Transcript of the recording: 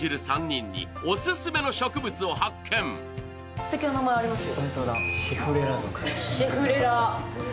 すてきな名前がありますよ。